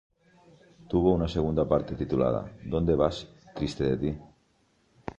Tuvo una segunda parte titulada "¿Dónde vas, triste de ti?